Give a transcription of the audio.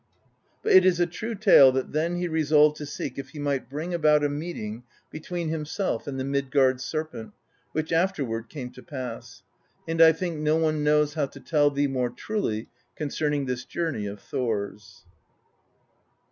But it is a true tale that then he resolved to seek if he might bring about a meet ing between himself and the Midgard Serpent, which after ward came to pass. Now I think no one knows how to tell thee more truly concerning this journey of Thor's."